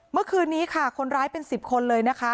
เมื่อคืนนี้ค่ะคนร้ายเป็น๑๐คนเลยนะคะ